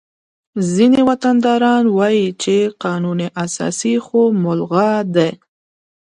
ځینې وطنداران وایي چې قانون اساسي خو ملغا دی